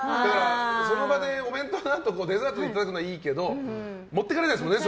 その場でお弁当のあとデザート食べられるならいいけど持って帰れないですもんね